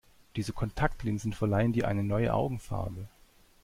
Diese Kontaktlinsen verleihen dir eine neue Augenfarbe.